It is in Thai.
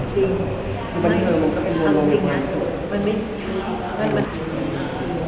ทำจริงอ่ะ